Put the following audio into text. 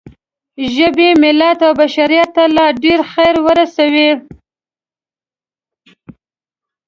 ژبې، ملت او بشریت ته لا ډېر خیر ورسوئ.